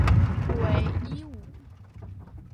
讳一武。